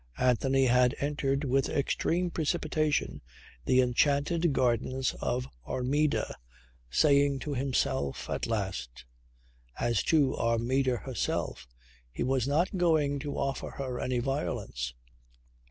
Anthony had entered with extreme precipitation the enchanted gardens of Armida saying to himself "At last!" As to Armida, herself, he was not going to offer her any violence.